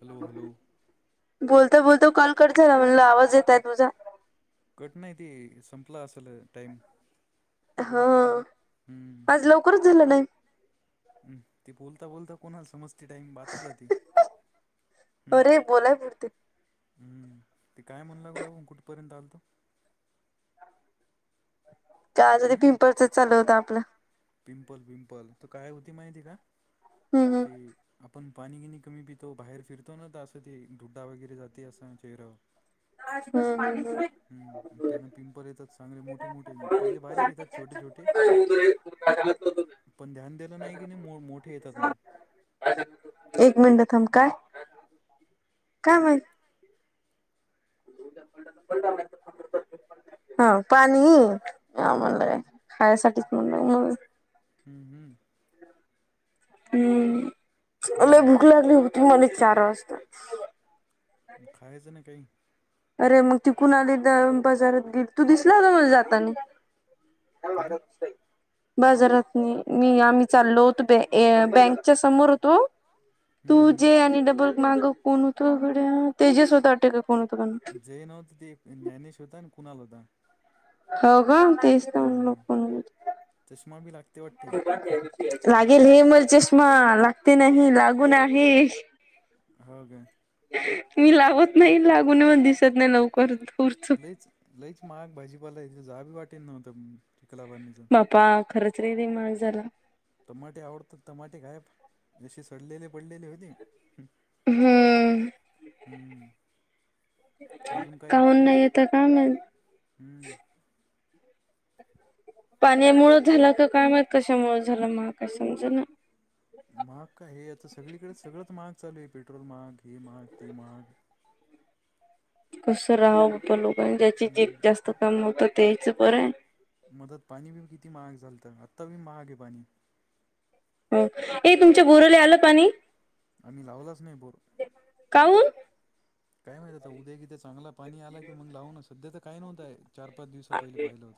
Hello hello बोलतो बोलतो call करत ना म्हणला आवाज येतय तुझा घटनाती हा आज लवकरच झालं नाही हम् ते बोलता बोलता कोणाल समजत टाईम बातच जाते हम्म अरे बोलाय पुरते ते काय म्हणू लगा लो कुठपर्यंत आल तो त्या यादी हम्म पिंपलचच चालू होत आपलं पिंपल पिंपल तर काय होती माहिती का हम्म हम्म ते पाणी किनी कमी पितो बाहेर फिरतो ना तर असं गुड्डा वगैरे जाते असा चेहऱ्यावर हाहा त्यान पिंपल येतात चांगले मोठे मोठे पहिले बारीक येतात छोटे छोटे पण ध्यान दिलं नाही की नाही मोठे येतात मग थमकाय काय माहि [inaudible] हा पाणी म्हणलं खायसाठीच म्हणलं म हम्म हम्म हम्म अग भूक हम्म लागली होती मला चार वाजता खायचं ना काही अरे मग ती कुणा आली द बाजारात तू दिसला होता जातानी कधी ह [inaudible] बाजारात मी आम्ही चाललो होतो ए बँकच्या समोर होतो हम्म तू हम्म जे आणि डबल माग कोण होतो गड्या ते तेजस होता वाटतं की दुसरं कोणी होतो जे नव्हत ते ज्ञानेश होता आणि कुणाल होता हो का तेच का हा मख हा चष्मा बी लागते वाटते मंग लागेल हे मला चष्मा ला ते नाही लागून आहे हो काय मी लावत नाही लागू नये मण लागून वर दिसत नाही लवकर लवकर लईच लईच महाग भाजीपाला जाबी वाटेल नव्हतं चिखलाबानीचं बा्पा खरंच रेते माग झाला टमाटे आवडतात टमाटे गायफ जशी सडलेले पडलेले होती हम्म हम्म अजून काही काऊन नाही येत माहीत हम्म पाण्या मुळ झाला का काय माहीत कशा मुळं झालं मला काय समज ना मग का हे सगळीकडे सगळंच महाग चालू आहे पेट्रोल महाग हे महाग ते महाग कसं राहावं पण लोकांनी ज्याची जीक जास्त कामी होतं तेच बरं आहे आतावी महागे पाणी हो ए तुमच्या बोरोले आलं पाणी आम्ही लावलाच नाही बोर काऊन काय माहिित आता उद्या- विद्या चांगला पाणी आला की मग लावून सध्या तर काही नव्हंय चार पाच दिवस पहिले पाहिलं होतं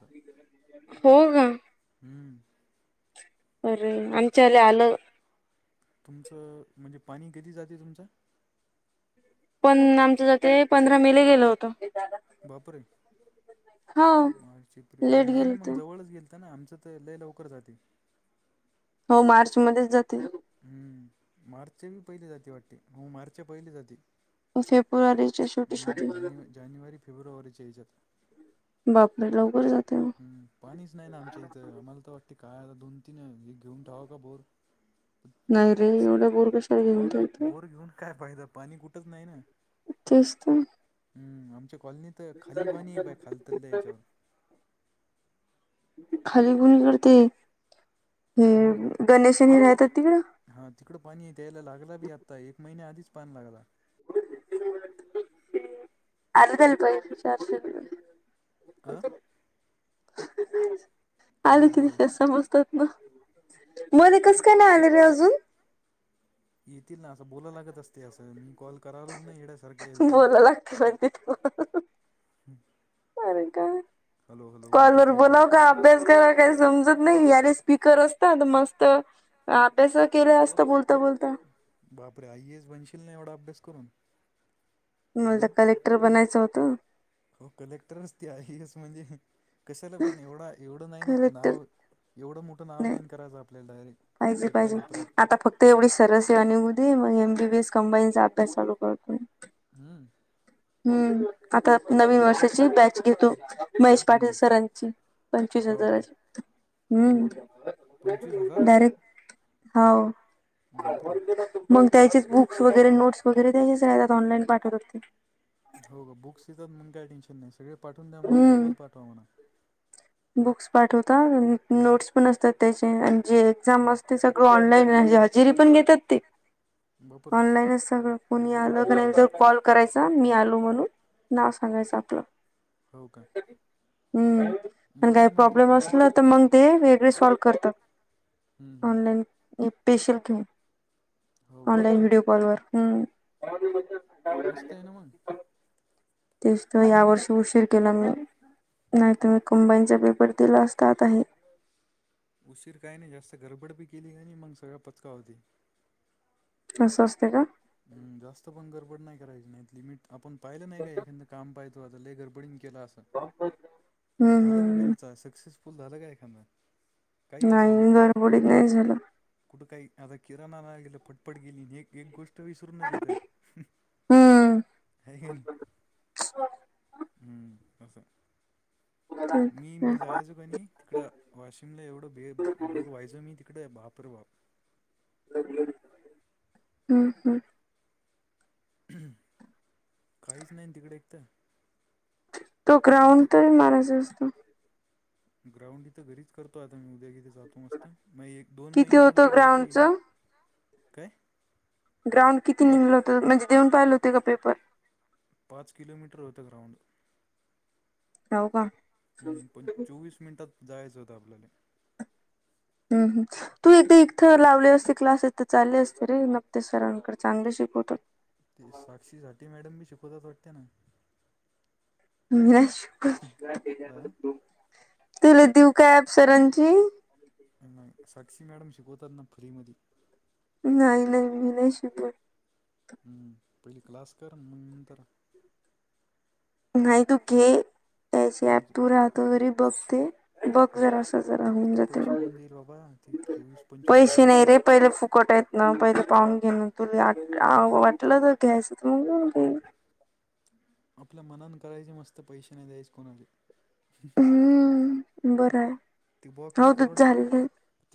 हो का हम्म्म्म अरे आमच्या ला आलं तुमचं म्हणजे पाणी किती जाते तुमचं पण आमच जाते पंधरा मेले गेलं होतं बापरे हो मार्च एप्रिल लेट नाही ना गेल मंग तर जवळच येईल ना आमचं तर लय लवकर जाते हो मार्च मध्येच जातील हम्म मार्चच्या बी पहिली जाते वाटते मग मार्चच्या पहिली जाते फेब्रुवारीीचे छुटी शेवटी- शेवटी फेब्रुवारी याच्यात बापरे लवकर जाते मग हम्म पाणीच नाही ना आमच्या इथं आम्हाला तर वाटते काय आता दोन तीन आहे हे घेऊन ठाव का बोर नाही पा रे स- एवढ्या बोरगशाळ घे बोर घेऊन काय पाहियदां पाणी कुठंच नाही ना तेच तर हम् आमच्या कॉलनी तर खाली पाणी बा खालत याच्यावर खाली गुणी करते हम्म तिकडं हा तिकडं पाणी दयला लागला बी आता एक महिन्या आधीच पण लागला अर तलपय वि अ [unintelligible] आले हॅलो हॅलो किती समजतात ना मले कसं का नाही आले रे अजून येतील ना असं बोला लागत असते असं आणि बोलायं लागतंय वाटते अरे का हॅलो हॅलो वन टू कॉलवर थ्री फोर बोलाव काय अभ्यास करावं काही समजत नाही स्पीकर असतात मस्त अभ्यास केला असत बोलता बोलता बापरे आइएएस बनशील नाही एवढा अभ्यास करून मला तर अं कलेक्टर बनायचं होतं हो कलेक्टरच ते आइएअस म्हणजे कशाला पण एवढा एवढ कलेक्टर नाव एवढं मोठं नाव नाही कराचं आपल्याला डायरी पाहिजे पाहिजे आता फक्त एवढी सरस आहे आणि उद मग व्ही व्ही एस कंपनीचा अभ्यास चालू करतोय हम्म हम्म आता नवीन वर्षाची बॅच घेतो महेश हम्म. पाटील सरांची पंचवीश हो का हजारांची पंचवीस हम्म हजार डायरेक्ट हाउ बापरे मंग त्याचेच बुक्स वगैरे नोट्स वगैरे त्याच्याच ऑनलाईन पाठवतात ते हो ग बुक्स देतात म्हण काय टेन्शन नाही सगळे पाठवून द्या म्हणा डबल हम्म पाठवा म्हणा बुक्स पाठवतात नोट्स पण असतात त्याचे आणि जे एक्झाम असते सगळ ऑनलाईन री पण घेतात ते बापरे ऑनलाईनच सगळं कोणी आलं क नाही तर कॉल करायचा मी आलो म्हणून नाव सांगायचं आपलं हो का हम्म पण बरं काही आहे मग प्रॉब्लेम तिथं असला तर मंग ते वेगळे सॉल्व करतात हम्म, हम्म. ऑनलाईन पेशल घे हो का ऑनलाईन व्हिडिओ कॉल वर हम्म मस्ते ना म तेचं तर यावर्षी उशीर केला मी नाही तुम्ही कंबाईनचा पेपर दिला असता आता हे उशीर काय नाही जास्त गडबड बी केली का नाही मग सगळ पचका होती अस असतंय का हम् जास्त पण गरबड नाही करायची नाही लिमिट आपण पाहिलं नाही काय एखांदं काम पाहि लई गरबडीन केल अस हम्म झालं काय हम्म कधी सक्सेस फुल झाला काय एखांदा नाही गरबडीत नाही झालं कुठं काही आता किराणा आणायला गेली पटपट गेली एक एक गोष्ट तो विसरूनच येतोय हम्म हाय कि नाही हम्म असं ते तर आहे. मी मी जायचो का नाही तिकडं वाशिमला एवढं भे बोर व्हायचो मी तिकडे बाप रे बाप हम्म हम्म काहीच नाही तिकडे एक तर, तो ग्राउंड म्हणजे तर मारायच असतो. ग्राउंड इथ घरीच करतो आता मी उद्या जातो मस्त म एक दोन किती महिन्यावर होतं तर भरती येईल ग्राउंडचं काय? ग्राउंड किती पाच निमलं होतं म्हणजे देऊन पाहिलं होते का पेपर? पाच किलोमीटर होता गराऊंड. राू का, हम्म पण चोवीस मिनिटात जायचं होतं आपल्याला. हम् हम तू एकदा इथं लावली असते क्लास इथं चालले असते रे नक्तेच सरांकड चांगले शिकवता. ते साक्षी साती मॅडम बी शिकवतात वाटते ना? म शु क अ तुला देऊ काय अपसरांची? नाही साक्षी मॅडम शिकवतात ना फ्री मध. नाही नाही मी नाही शधू. हम्म पहिली क्लास करण मग नंतर, नाही तू घे त्याची ऍप कोणाचे तू राहत घरीे बघते, बघ जरा असा जरा होऊन इतके जाते पैसे म कोण देईल बाबा ती चोवीस पंचवीस हजार पैसे नाही रुपये रे पहिले फुकट, प्रयत्न पहिली पाहन, े तु आ वाटलं तर घॅस मग. [inaudible] आपल्या मनात करायचे मस्त पैश नाही द्यायचे कोणाले. हम्म बरं आहे. तू बॉ किती हो तू करोड झाले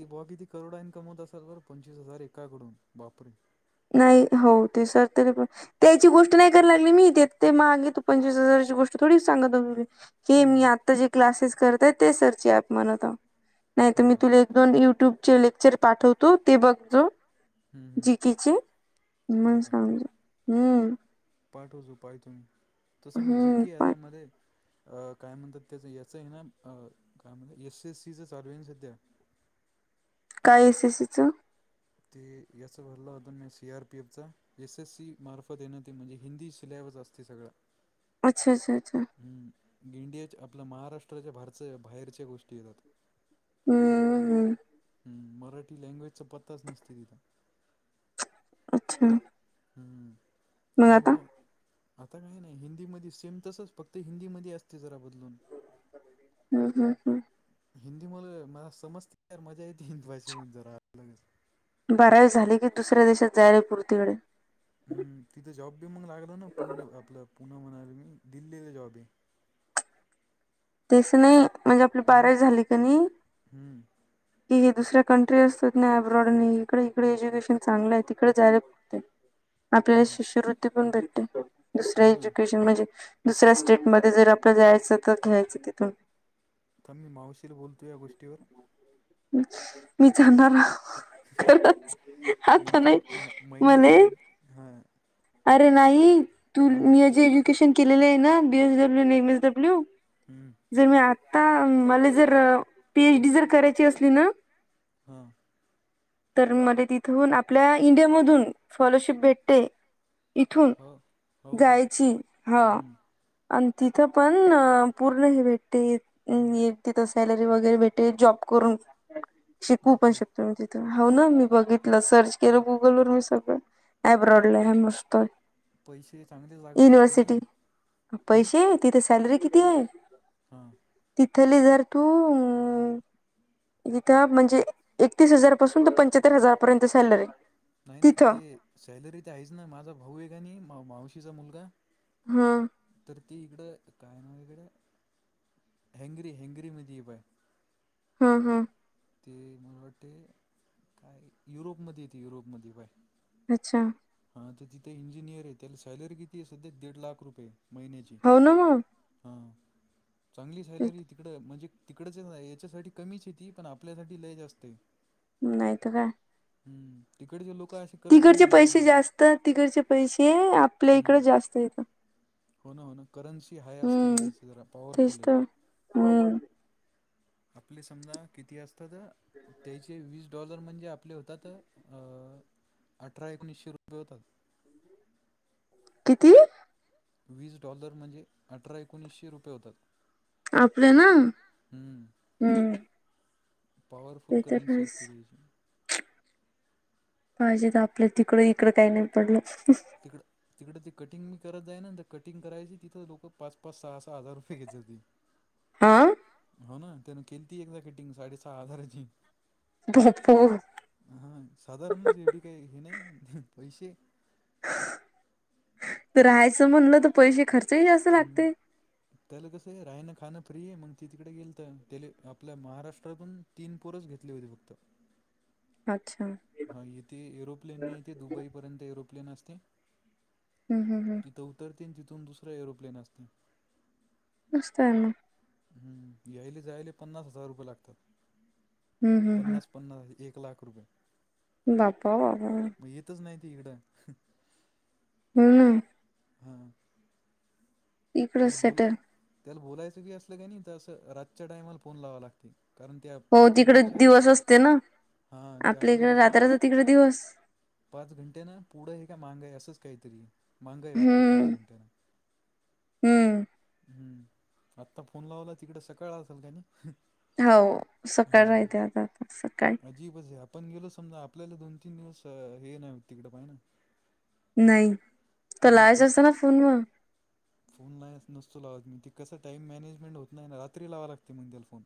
ती बा कि क करोडा इनकम होत असल तर पंचवीस हजार एकाकडून बापरे. नाही हो ते सर तरी पण त्याची गोष्ट नाही करा लागली मी ते ते मागे तू पंचवीस हजार, गोष्ट थोडी सांग. [unintelligible] की हम्म, मी हम्म. आता जे क्लासेस करताय ते सरची ऍप म्हणत हा. नाही हो तर मी का? तुला एक दोन युट्यूबचे लेक्चर पाठवतो ते बघो जो. हम् हम्. किचेन मग सांगतो हम्म. पाठवचो पाय तुमी तसं मी हम्म जीके पा- आता मध्ये, अ काय म्हणतात त्याच याच आहे ना काय म्हणतात एस सी एस सीच चालू आहे सध्या. [inaudible] काय एस एसीचं? ते याचा भल्ला होता सी आरपीएफ चा एस एस सी मार्फत येण ते म्हणजे हिंदी स्लॅब बस असते सगळं. अच्छा अच्छा अच्छा. इंडियाच्या आपल्या महाराष्ट्राच्या भारच बाहेरच्या गोष्टी येतात. हम्म हम्म. मराठी लँग्वेजचा पत्ताच नसते तिथं. अच्छा हम हम मग आता तिच्यामुळे, आता काय नाही हिंदी मध्ये सेम तसच फक्त हिंदी मध्ये असते जरा ब हम्म हम्म हम्म. हिंदी मध्ये मला समजत तर मजा येते हिंदी भाषेून जरा अलगच, बारावी झाली की दुसऱ्या देशात जायला पूर्तीकडे. हम् तिथं जॉब बी मग लागला ना पुणे आपला पुन म्हणाल मी दिल्लीला जॉब आहे. [inaudible] तस नाही म्हणजे आपली हम्म बारा झाली का नाही, हम्म कि हे दुसऱ्या कंट्री असत ना अब्रॉड नाही इकडे इकडे एज्युकेशन चांगलं आहे तिकडे जायला त. आपल्याला हा, शिष्यवृत्ती पण भेटते दुसर हो ना एज्युकेशन म्हणजे, दुसऱ्या स्टेटमध्ये जर आपला जायचं तर घ्यायचं तिथून. तर मी मावशीला बोलतो या गोष्टीवर अम् [unintelligible] मी जाणार अ खरंच आता म्हणतो नाही अह, मले महिन्याचे एक हां अरे नाही तू हां मी जे एज्युकेशन केलेले आहे ना बी एस डब्ल्यू आणि एम एस डब्ल्यू हम्म, जर मी आता मला जर पीएच डी जर करायची असली ना. हं तर मला तिथून आपल्या इंडियामधून फॉलोशिप भेटते. इथून हो हो का जायची हा हम्म, अन तिथं पण पूर्ण हे भेटते अन तिथं सॅलरी वगैरे भेटते जॉब करून शिकू पण बापरे शकतो मी तिथं ह ना मी बघितलं सर्च केलं गुगल वर मी सगळं पण एब्रॉडला [unintelligible] पैसे चांगलेच लागत असतील ना युनिव्हर्सिटी पैसे तिथे सॅलरी किती तीन हा थली जर तू इथं म्हणजे एकतीस हजार पासून तर पंच्याहत्तर हजारपर्यंत सॅलरी. नाही ना तिथं ते सॅलरी ते आहेच ना माझा भाऊ आहे का नाही मावशीचा मुलगा हम्म तर त इकडं काय ना इकडे हॅंगरी हॅंगरी मध्ये पाहय. हं हं ते मला वाटते काय युरोपमध्ये येते युरोपमध्ये पाहय. अच्छा हा तर तिथे इंजिनियर आहे त्याला सॅलरी किती आहे सध्या दीड लाख रुपये. महिन्याची हो ना मग हा चांगली सॅलरी तिकड म्हणजे तिकडच याच्यासाठी कमीच ती पण आपल्यासाठी लय जास्तय. नाही त काय हम्म तिकडे लोक असे करत बी तिकडचे नाही पैसे नॉर्मल जास्त तिकडचे पैसे आपल्या इकडं हम्म जास्त येत. हो ना हो ना करन्सी हाय असतील हम्म द्यायची जरा तेच पॉवरफुल य. तर हम्म आपले समजा किती असत तर त्याचे वीस डॉलर म्हणजे आपले होतात अ अठरा एकोणीसशे रुपये होतात. किती वीस डॉलर म्हणजे अठरा एकोणीसशे रुपये होतात. आपल्याना हम्म पॉवरफुल ते तर करन्सी आहेच. असते त्यायची. पाहिजे तर आपल्या तिकड इकडं काही नाही पडल त. तिक तिकड ते कटिंग मी करत जाय ना तर कटिंग करायची तिथं लोक पाच पाच सहा सहा हजार रुपये घेताय. दी [inaudible] हा हो ना त्यानं केली त एकदा कटिंग साडे सहा हजाराची बापो हा साधारणच एवढी काही हे नाही पैसे राहायचं म्हणलं तर पैसे खर्च हम्म त्याला कसं रायनं खाणं फ्री आहे मग ती तिकडे गेल तर त्या आपल्या महाराष्ट्रातून तीन पोरच घेतली होती फक्त. [inaudible] अच्छा हा इथे एरोप्लेन नाही इथे दुबईपर्यंत एरोप्लेन असते. हम्म हम्म हम्म तिथं उतरते तिथून दुसरा एरोप्लेन असते. मस्त आहे म हम्म यायले जायले पन्नास हजार रुपये लागतात हम्म हम्म हम्म पन्नास पन्नास एक एक लाख रुपये बापा बाबा. मग येतच नाही ते इकडं हाय. हम्म. हां इकडंच त्याला बोला सेटल. त्याला बोलायचं की असलं काय नाही तर असं रातच्या टायमाला फोन लावा लागतं. हो तिकडे दिवस असते ना हां त्या आपल्या इकडे आपल्यापेक्षा रात्राचा तिकडे दिवस. पाच घंटे ना पुढं हे का मांग आहे असं काहीतरी मांग आहे वाटते पाच हम्म घंटा. हम्म. हम्म आत्ता फोन लावला तिकडे सकाळ असाल का नी. हो सकाळ राहते आता आता सकाळी. अजीबच आहे आपण गेलो समजा आपल्याला दोन तीन दिवस हे नाही तिकडं पाहिना नाही तलायच असत ना फोन वर. फोन नाही नसतो लावत मी त कस टाइम मॅनेजमेंट होत नाही ना रात्री लावाव लागते म्हणे त्याला फोन.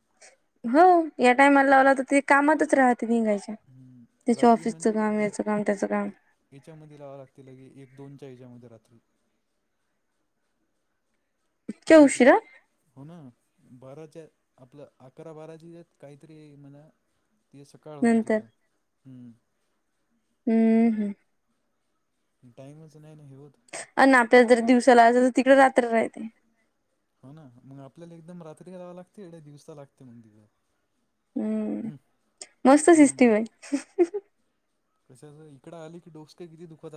हा या टायमला लावला तर ते कामातच राहते नीघाईच्या. रात्री म्हणजे ते काम याच्यामध्ये लावाव लागत एक दोनच्या याच्यामध्ये. रात्री. इतक्या म्हणून कुठं उशिरा हो ना. बाराच्यात आपलं अकरा बाराचीत काहीतरी म्हण ति सकाळ होती नंतर तिकडं हम्म. हम्म हम्म. टाइमच नाही आणि अन आपल्याला जर दिवसाला असेल तर तिकडे रात्र राहते. हो ना मग आपल्याला एकदम रात्री लावाव लागते तिकडे दिवसा लागते मग तिकड. हम्म मस्त सिस्टीम आहे. कशाच इकडं आली क डोस्क किती दुखवतात.